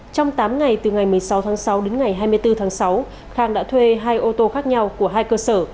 trong tám ngày từ ngày một mươi sáu tháng sáu đến ngày hai mươi bốn tháng sáu khang đã thuê hai ô tô khác nhau của hai cơ sở